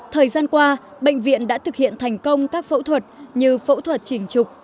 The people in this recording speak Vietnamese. thời gian qua bệnh viện đã thực hiện thành công các phẫu thuật như phẫu thuật chỉnh trục